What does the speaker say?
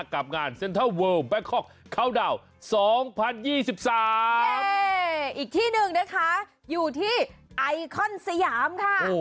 กับงานเซ็นเทิลเวิร์ลแบ็คคอล์ดาวน์๒๐๒๓อีกที่หนึ่งนะคะอยู่ที่ไอคอนสยามค่ะ